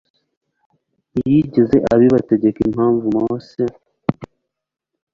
ntiyigeze abibategeka. impamvu mose